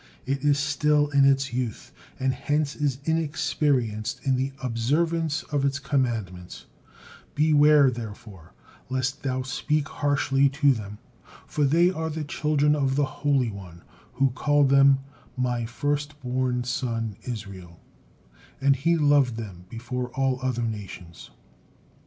It is still in its youth, and hence is inexperienced in the observance of its commandments; beware, therefore, lest thou speak harshly to them, for they are the children of the Holy One, who called them, 'My firstborn son, Israel'; and He loved them before all other nations."